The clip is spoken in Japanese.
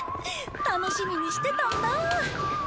楽しみにしてたんだ。